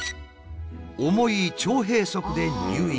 重い腸閉塞で入院。